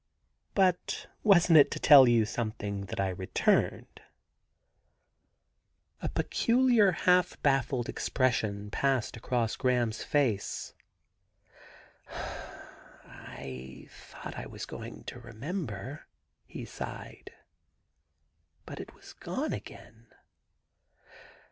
*But wasn't it to tell you something that I re turned ?' A peculiar, half bafHed expression passed across 77 THE GARDEN GOD Graham's face. ' I thought I was going to remember/ he sighed, 'but it has gone again.